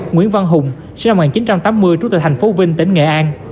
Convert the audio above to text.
nguyễn văn hùng sinh năm một nghìn chín trăm tám mươi trú tại thành phố vinh tỉnh nghệ an